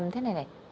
thế này này